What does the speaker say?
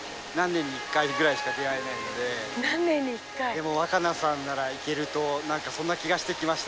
でも和可菜さんならいけるとなんかそんな気がしてきました。